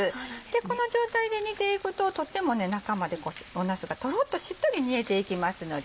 この状態で煮ていくととっても中までなすがトロっとしっとり煮えていきますので。